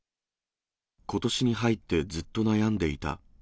ことしに入ってずっと悩んでいた。